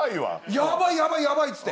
ヤバいヤバいヤバいっつって。